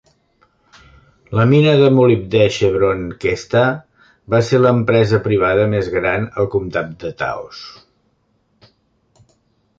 La mina de molibdè Chevron Questa va ser l'empresa privada més gran al comtat de Taos.